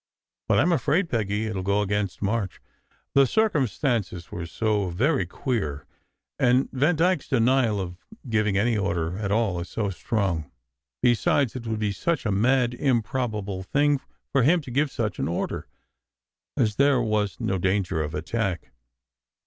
But, I m afraid, Peggy, it will go against March. The circumstances were so very queer, and Vandyke s denial of giving any order at all is so strong. Besides, it would be such a mad, im probable thing for him to give such an order, as there was no danger of attack.